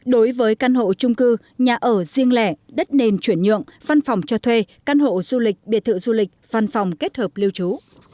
đối với căn hộ trung cư nhà ở riêng lẻ đất nền chuyển nhượng văn phòng cho thuê căn hộ du lịch biệt thự du lịch văn phòng kết hợp lưu trú